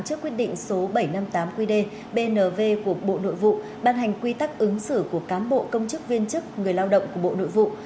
trước quyết định số bảy trăm năm mươi tám qd bnv của bộ nội vụ ban hành quy tắc ứng xử của cán bộ công chức viên chức người lao động của bộ nội vụ